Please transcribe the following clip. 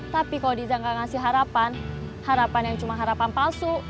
tapi kalau disangka ngasih harapan harapan yang cuma harapan palsu